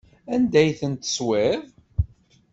Anda ay ten-teswiḍ?